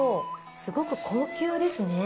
すごく高級ですね。